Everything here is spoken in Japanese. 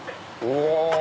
うわ！